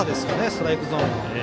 ストライクゾーンの。